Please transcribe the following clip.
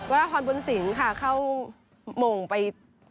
ว่าฮอนบุญสินค่ะเข้ามงไป